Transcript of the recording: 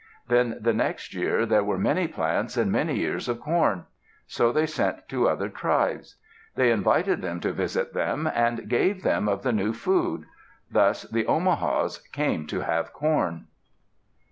Then the next year there were many plants and many ears of corn. So they sent to other tribes. They invited them to visit them and gave them of the new food. Thus the Omahas came to have corn.